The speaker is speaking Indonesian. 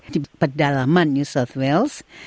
di pedalaman new south wales